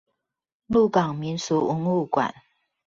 鹿港民俗文物館